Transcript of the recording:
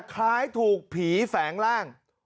คล้ายถูกผีแฝงร่าง